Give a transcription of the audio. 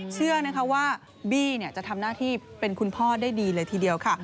เชื่อนะคะว่าบี้จะทำหน้าที่เป็นคุณพ่อได้ดีเลยทีเดียวค่ะ